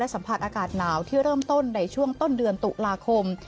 สัมผัสอากาศหนาวที่เริ่มต้นในช่วงต้นเดือนตุลาคม